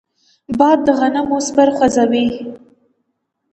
باد د غنمو پسر خوځوي